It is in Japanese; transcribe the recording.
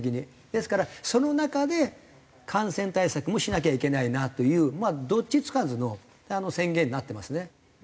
ですからその中で感染対策もしなきゃいけないなというどっちつかずの宣言になってますね。